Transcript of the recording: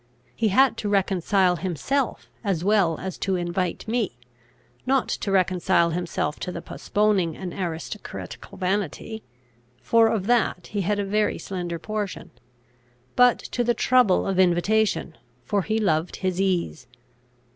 He had to reconcile himself as well as to invite me; not to reconcile himself to the postponing an aristocratical vanity, for of that he had a very slender portion, but to the trouble of invitation, for he loved his ease.